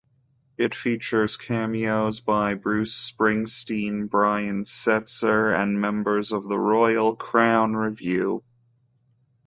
It features cameos by Bruce Springsteen, Brian Setzer, and members of Royal Crown Revue.